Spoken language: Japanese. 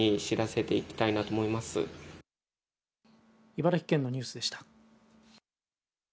茨城県のニュースでした。